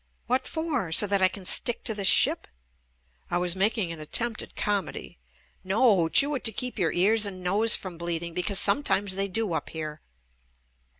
"What for? So that I can stick to the ship ?" I was making an at tempt at comedy. "No, chew it to keep your ears and nose from bleeding, because sometimes they do up here."